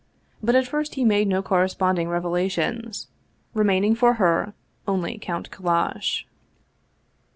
But at first he made no corresponding revelations, remaining for her only Count Kallash.